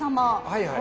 はいはい。